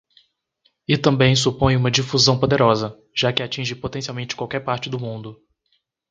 E também supõe uma difusão poderosa, já que atinge potencialmente qualquer parte do mundo.